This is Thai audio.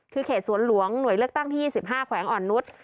คือเขตสวนหลวงหน่วยเลือกตั้งที่๒๕แขวงอ่อนนุษย์